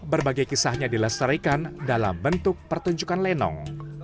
berbagai kisahnya dilestarikan dalam bentuk pertunjukan lenong